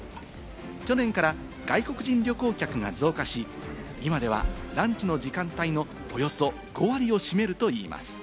去年から外国人旅行客が増加し、今ではランチの時間帯のおよそ５割を占めるといいます。